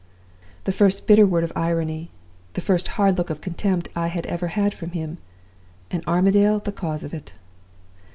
"The first bitter word of irony, the first hard look of contempt, I had ever had from him! And Armadale the cause of it!